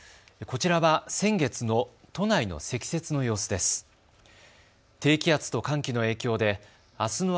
こちらは先月の都内の積雪の様子です。